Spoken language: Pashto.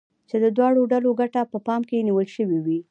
چې د دواړو ډلو ګټه په پام کې نيول شوې وي.